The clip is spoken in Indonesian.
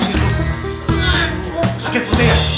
sakit putih ya